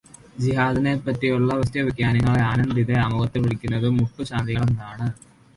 ജിഹാദിനെ പറ്റിയുള്ള വ്യത്യസ്തവ്യാഖ്യാനങ്ങളെ ആനന്ദ് ഇതേ അഭിമുഖത്തില് വിളിക്കുന്നത് 'മുട്ടുശാന്തികള്' എന്നാണു.